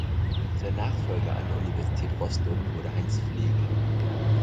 Sein Nachfolger an der Universität Rostock wurde Heinz Flegel.